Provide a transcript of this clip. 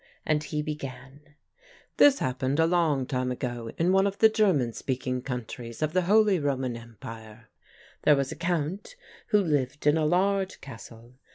'" And he began: "This happened a long time ago in one of the German speaking countries of the Holy Roman Empire. There was a Count who lived in a large castle.